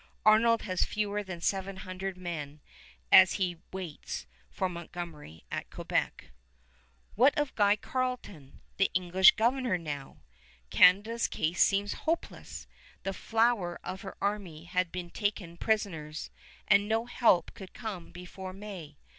Arnold has fewer than seven hundred men as he waits for Montgomery at Quebec. [Illustration: GENERAL RICHARD MONTGOMERY] What of Guy Carleton, the English governor, now? Canada's case seemed hopeless. The flower of her army had been taken prisoners, and no help could come before May.